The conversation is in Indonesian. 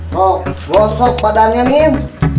kok gosok padanya min